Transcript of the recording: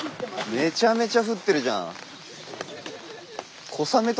めちゃめちゃ降ってるじゃん。